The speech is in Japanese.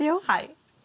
はい。